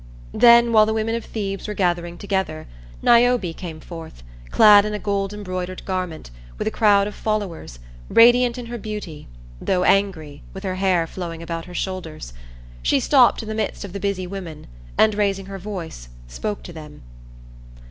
Then while the women of Thebes were gathering together, Niobe came forth, clad in a gold embroidered garment, with a crowd of followers, radiant in her beauty, though angry, with her hair flowing about her shoulders. She stopped in the midst of the busy women, and raising her voice, spoke to them.